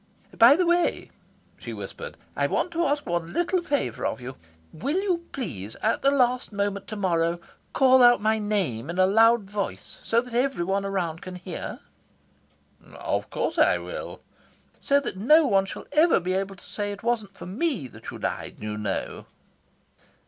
"By the way," she whispered, "I want to ask one little favour of you. Will you, please, at the last moment to morrow, call out my name in a loud voice, so that every one around can hear?" "Of course I will." "So that no one shall ever be able to say it wasn't for me that you died, you know."